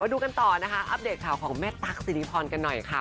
ดูกันต่อนะคะอัปเดตข่าวของแม่ตั๊กสิริพรกันหน่อยค่ะ